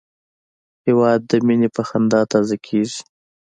هېواد د مینې په خندا تازه کېږي.